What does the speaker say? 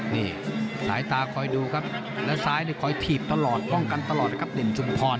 นี่สายตาคอยดูครับแล้วซ้ายนี่คอยถีบตลอดป้องกันตลอดนะครับเด่นชุมพร